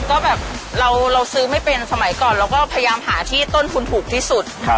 ก็แบบเราซื้อไม่เป็นสมัยก่อนเราก็พยายามหาที่ต้นทุนถูกที่สุด